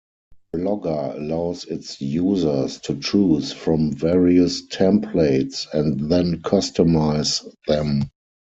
Blogger allows its users to choose from various templates and then customize them.